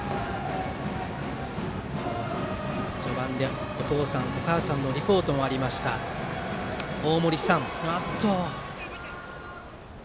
序盤でお父さんお母さんのリポートもありました大森燦。